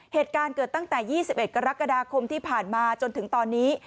เหตุการณ์เกิดตั้งแต่๒๑กรกฎาคมที่ผ่านมาจนถึงตอนนี้